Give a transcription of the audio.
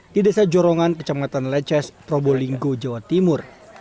di desa jorongan kecamatan leces probolinggo jawa timur